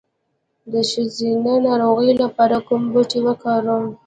د ښځینه ناروغیو لپاره کوم بوټی وکاروم؟